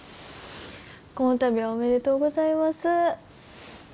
この度はおめでとうございます。